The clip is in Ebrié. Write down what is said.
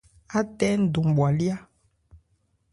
Á tɛ ńdɔn bhwalyá.